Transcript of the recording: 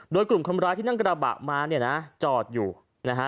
โดยกลุ่มทำร้ายที่นั่งกระบะมาจอดอยู่นะฮะ